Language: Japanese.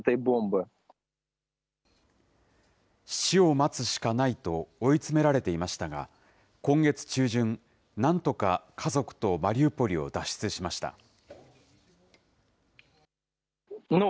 死を待つしかないと追い詰められていましたが、今月中旬、なんとか家族とマリウポリを脱出しました。